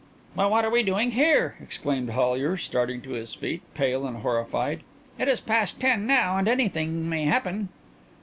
"But what are we doing here!" exclaimed Hollyer, starting to his feet, pale and horrified. "It is past ten now and anything may happen."